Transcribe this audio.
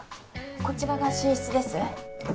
こちらが寝室です。